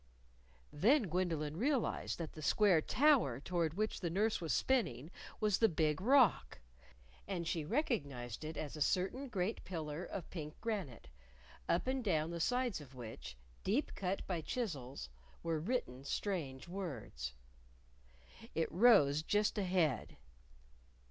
Then Gwendolyn realized that the square tower toward which the nurse was spinning was the Big Rock. And she recognized it as a certain great pillar of pink granite, up and down the sides of which, deep cut by chisels, were written strange words. It rose just ahead.